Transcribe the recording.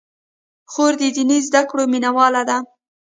خور د دیني زدکړو مینه واله ده.